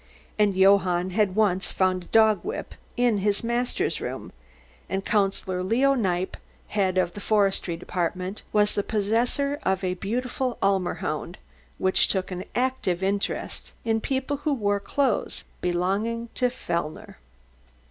And Johann had once found a dog whip in his master's room and Councillor Leo Kniepp, head of the Forestry Department, was the possessor of a beautiful Ulmer hound which took an active interest in people who wore clothes belonging to Fellner.